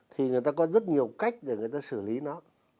thì người ta có rất nhiều cách để người ta xử lý nó